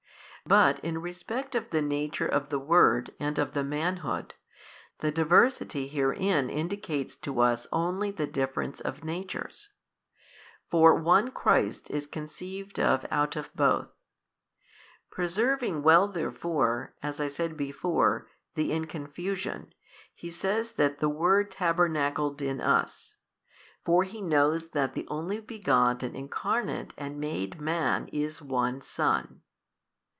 But in respect of the Nature of the Word and of the Manhood, the diversity herein indicates to us only the difference [of natures]. For One Christ is conceived of out of both. Preserving well therefore (as I said before) the inconfusion, he says that the Word tabernacled in us. For he knows that the Only Begotten Incarnate and made Man is One Son.